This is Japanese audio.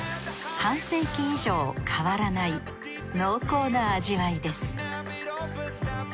半世紀以上変わらない濃厚な味わいです